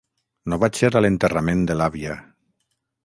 No vaig ser a l'enterrament de l'àvia.